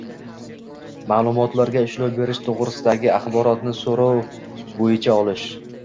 ma’lumotlarga ishlov berish to‘g‘risidagi axborotni so‘rov bo‘yicha olish: